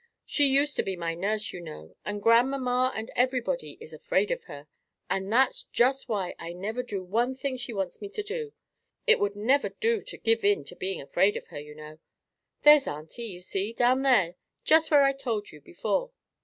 She used to be my nurse, you know; and grandmamma and everybody is afraid of her, and that's just why I never do one thing she wants me to do. It would never do to give in to being afraid of her, you know.—There's auntie, you see, down there, just where I told you before."